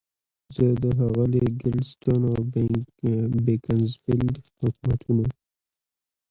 زه د ښاغلي ګلیډستون او بیکنزفیلډ حکومتونو.